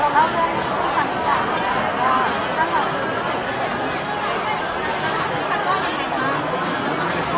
เราก็จะมีตัวความต่างขนาดนี้